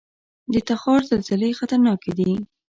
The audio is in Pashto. د تخار زلزلې خطرناکې دي